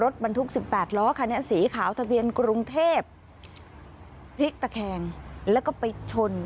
ทะเบียนกรุงเทพฯพริกตะแคงแล้วก็ไปชน